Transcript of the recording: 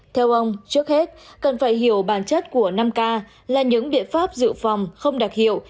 theo ông trước hết cần phải hiểu bản chất của năm k là những biện pháp dự phòng không đặc hiệu